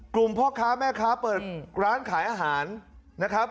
พ่อค้าแม่ค้าเปิดร้านขายอาหารนะครับ